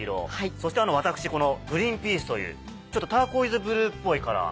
そして私グリーンピースというちょっとターコイズブルーっぽいカラー。